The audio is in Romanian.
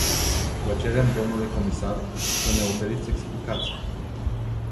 Vă cerem, dle comisar, să ne oferiți explicații.